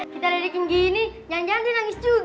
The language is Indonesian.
kita ledakin gini jangan jangan dia nangis juga